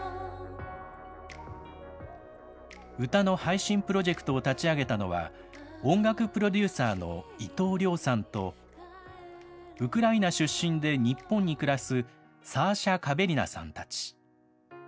歌の配信プロジェクトを立ち上げたのは、音楽プロデューサーの伊藤涼さんと、ウクライナ出身で日本に暮らすサーシャ・カヴェリナさんたち。